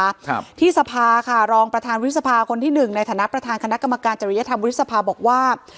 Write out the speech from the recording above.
ครับที่สภาค่ะรองประธานวิสภาคนที่หนึ่งในฐานะประธานคณะกรรมการจริยธรรมวุฒิสภาบอกว่า